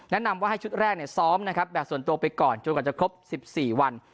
แนะนำว่าให้ชุดแรกซ้อมนะครับแบบส่วนตัวไปก่อนจนกว่าจะครบ๑๔วัน